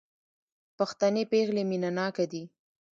پښتنې پېغلې مينه ناکه دي